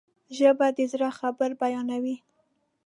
ژبه د زړه خبر بیانوي